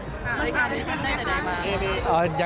นาฬิกานี้ซึ่งได้จากไหนมา